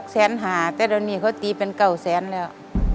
๖แสนหาแต่เดี๋ยวนี้เขาตีเป็นเก่าแสนแล้ว